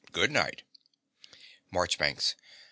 Good night. MARCHBANKS.